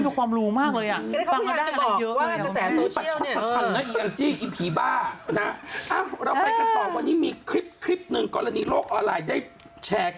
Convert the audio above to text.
นะพวกเราต่อวันนี้มีคลิปคลิปหนึ่งกรรณีล่วงออนไลน์ได้แชร์